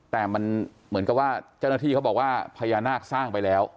แต่มันเหมือนกับว่าเจ้าหน้าที่เขาบอกว่าพญานาคสร้างไปแล้ว